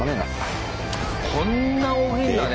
こんな大きいんだね